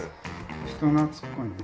人懐っこいんで。